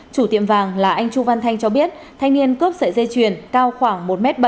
chủ tiệm vàng là anh chu văn thanh cho biết thanh niên cướp sợi dây chuyền cao khoảng một m bảy